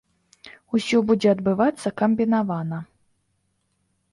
Усё будзе адбывацца камбінавана.